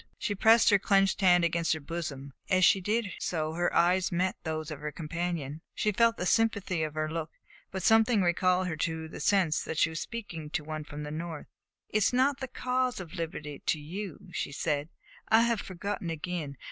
She pressed her clenched hand against her bosom, and as she did so her eyes met those of her companion. She felt the sympathy of his look, but something recalled her to the sense that she was speaking to one from the North. "It is not the cause of liberty to you," she said. "I have forgotten again.